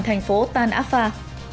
thành phố tan afar